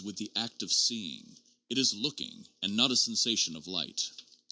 359 with the act of seeing; it is looking, and not a sensation of light.